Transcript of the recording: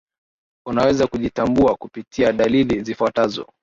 unaweza kujitambua kupitia dalili zifuatazo